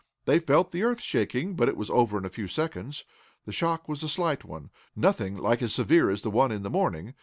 They felt the earth shaking, but it was over in a few seconds. The shock was a slight one, nothing like as severe as the one in the morning.